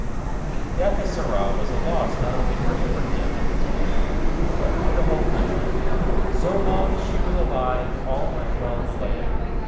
The death of Sarah was a loss not only for Abraham and his family, but for the whole country. So long as she was alive, all went well in the land.